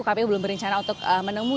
kpu belum berencana untuk menemui